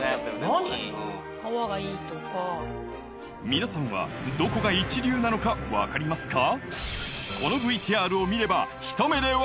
皆さんはどこが一流なのか分かりますか？